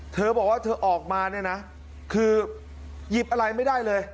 เธอบอกว่าเธอออกมาเนี่ยนะคือหยิบอะไรไม่ได้เลย